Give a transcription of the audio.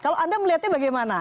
kalau anda melihatnya bagaimana